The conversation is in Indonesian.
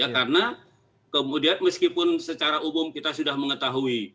karena kemudian meskipun secara umum kita sudah mengetahui